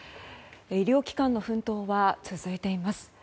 医療機関の奮闘は続いています。